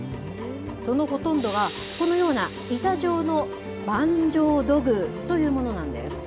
そのほとんどは、このような板状の板状土偶というものなんです。